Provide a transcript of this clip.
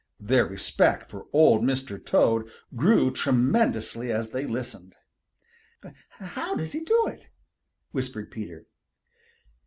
Their respect for Old Mr. Toad grew tremendously as they listened. "How does he do it?" whispered Peter.